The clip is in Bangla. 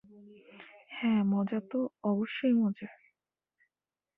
হ্যাঁ মজা তো অবশ্যই মজার?